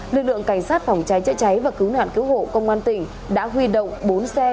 lực lượng cảnh sát phòng cháy chữa cháy và cứu nạn cứu hộ công an tỉnh đã huy động bốn xe